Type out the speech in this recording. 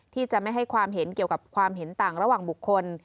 ที่จะไม่ให้ความเห็นเกี่ยวกับความเห็นต่างระหว่างบุคคล